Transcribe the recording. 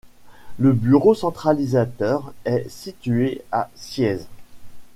Le bureau centralisateur est situé à Sciez.